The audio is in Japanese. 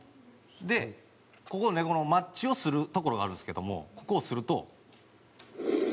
でここのねマッチを擦る所があるんですけどもここを擦ると。